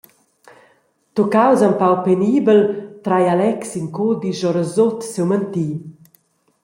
Tuccaus empau penibel, trai Alex in cudisch orasut siu manti.